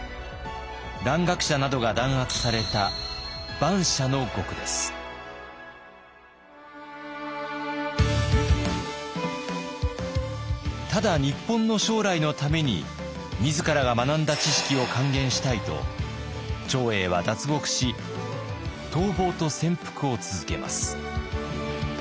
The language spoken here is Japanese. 蘭学者などが弾圧されたただ日本の将来のために自らが学んだ知識を還元したいと長英は脱獄し逃亡と潜伏を続けます。